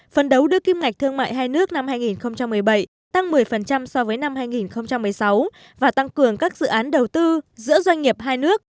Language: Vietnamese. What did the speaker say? phần đấu đưa kim ngạch thương mại hai nước năm hai nghìn một mươi bảy tăng một mươi so với năm hai nghìn một mươi sáu và tăng cường các dự án đầu tư giữa doanh nghiệp hai nước